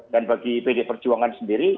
dan bagi pd perjuangan sendiri